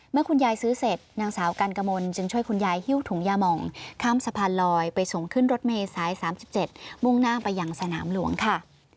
เมื่อคุณยายซื้อเสร็จนางสาวกันกมลจึงช่วยคุณยายหิ้วถุงยามองข้ามสะพานลอยไปส่งขึ้นรถเมย์สาย๓๗มุ่งหน้าไปยังสนามหลวงค่ะ